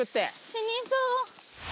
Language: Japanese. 死にそう。